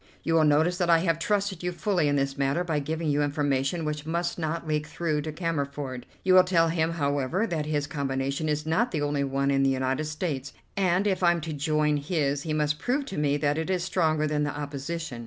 You will notice that I have trusted you fully in this matter by giving you information which must not leak through to Cammerford. You will tell him, however, that his combination is not the only one in the United States, and if I'm to join his he must prove to me that it is stronger than the opposition.